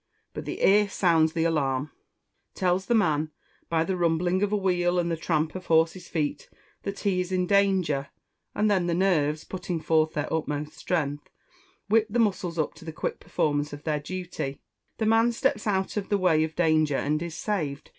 But the ear sounds the alarm, tells the man, by the rumbling of a wheel, and the tramp of horses' feet, that he is in danger; and then the nerves, putting forth their utmost strength, whip the muscles up to the quick performance of their duty; the man steps out of the way of danger, and is saved.